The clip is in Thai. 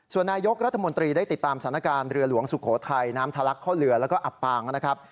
ส่วนนายกรัฐมนตรีได้ติดตามสถานการณ์เรือหลวงสุโขทัยน้ำทะลักเข้าเรือแล้วก็อับปางนะครับ